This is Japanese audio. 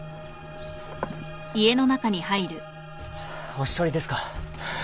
お一人ですか。